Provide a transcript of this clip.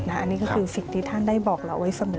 อันนี้ก็คือสิ่งที่ท่านได้บอกเราไว้เสมอ